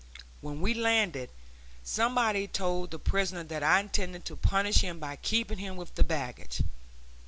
When we landed, somebody told the prisoner that I intended to punish him by keeping him with the baggage.